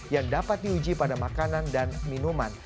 yang dapat diuji pada makanan dan minuman